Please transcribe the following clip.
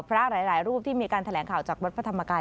หลายรูปที่มีการแถลงข่าวจากวัดพระธรรมกาย